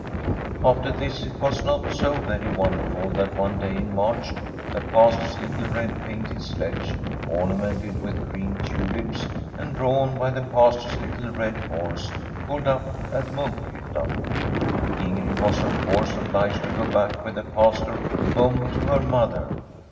After this it was not so very wonderful that one day in March the Pastors little red painted sledge, ornamented with green tulips, and drawn by the Pastor's little red horse, pulled up at Munkhyttan. Ingrid was of course obliged to go back with the Pastor home to her mother.